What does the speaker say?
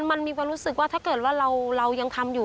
มันมีความรู้สึกว่าถ้าเกิดว่าเรายังทำอยู่